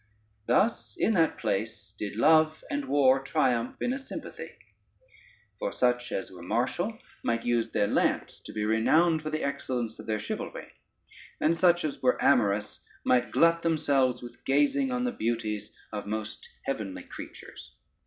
Thus in that place did love and war triumph in a sympathy; for such as were martial might use their lance to be renowmed for the excellence of their chivalry, and such as were amorous might glut themselves with gazing on the beauties of most heavenly creatures.